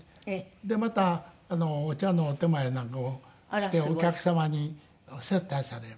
でまたお茶のお点前なんかもしてお客様に接待される。